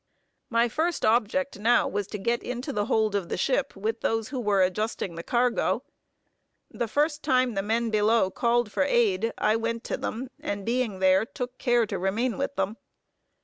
My first object now, was to get into the hold of the ship with those who were adjusting the cargo. The first time the men below called for aid, I went to them, and being there, took care to remain with them.